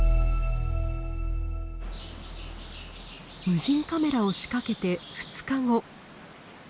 無人カメラを仕掛けて２日後。